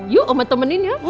yuk oma temenin ya